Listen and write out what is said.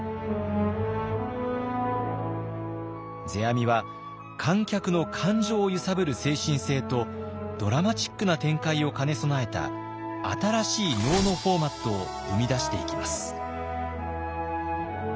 世阿弥は観客の感情を揺さぶる精神性とドラマチックな展開を兼ね備えた新しい能のフォーマットを生み出していきます。